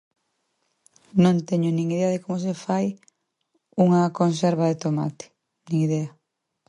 Non teño nin idea de como se fai unha conserva de tomate. Nin idea.